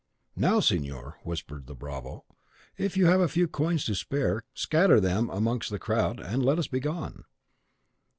"Now, signor," whispered the bravo, "if you have a few coins to spare, scatter them amongst the crowd, and let us be gone."